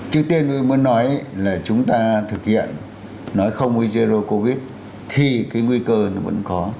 trước tiên tôi muốn nói là chúng ta thực hiện nói không với zero covid thì cái nguy cơ nó vẫn có